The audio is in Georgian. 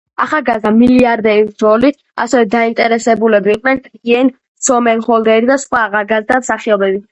ახალგაზრდა მილიარდერის როლით ასევე დაინტერესებულები იყვნენ იენ სომერჰოლდერი და სხვა ახალგაზრდა მსახიობები.